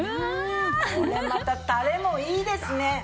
これまたたれもいいですね。